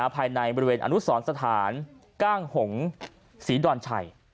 ภายในบริเวณอนุสรสถานก้างหงศรีดอนชัย